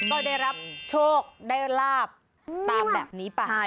ก็ได้รับโชคได้ลาบตามแบบนี้ไป